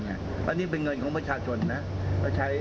อันนี้เป็นเงินของประชาชนนะ